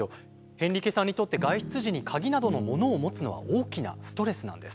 ヘンリケさんにとって外出時に鍵などのものを持つのは大きなストレスなんです。